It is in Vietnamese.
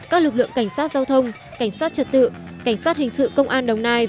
các lực lượng cảnh sát giao thông cảnh sát trật tự cảnh sát hình sự công an đồng nai